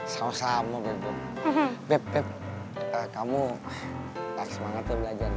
sama sama beb beb kamu tak semangat ya belajarnya